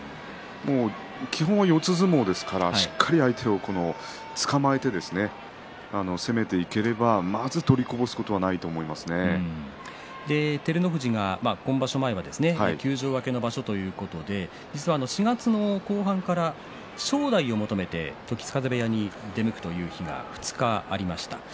基本は四つ相撲ですからしっかり相手をつかまえて攻めていけばまず取りこぼすことはないと照ノ富士は今場所前休場明けの場所ということで４月の後半から正代を求めて時津風部屋に出向くという日が２日ありました。